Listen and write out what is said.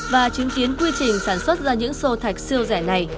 và chứng kiến quy trình sản xuất ra những xô thạch siêu rẻ này